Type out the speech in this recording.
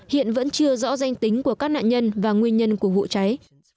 hiện vẫn chưa rõ danh tính của các nạn nhân và nguyên nhân của vụ cháy